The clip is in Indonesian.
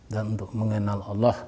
dan untuk mengenal allah